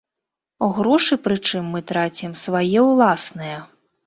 Грошы, прычым, мы трацім свае ўласныя.